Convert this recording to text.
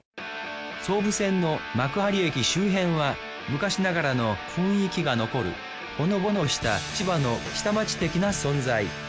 総武線の幕張駅周辺は昔ながらの雰囲気が残るほのぼのした千葉の下町的な存在。